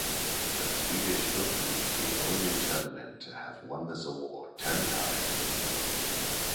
The Swedish Open is the only tournament to have won this award ten times.